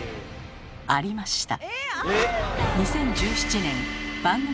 ありました。